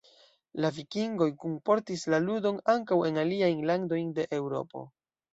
La Vikingoj kunportis la ludon ankaŭ en aliajn landojn de Eŭropo.